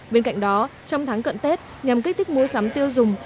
bên cạnh đó trong tháng cận tết nhằm kích thích mua sắm tiêu dùng